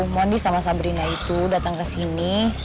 mondi sama sabrina itu datang kesini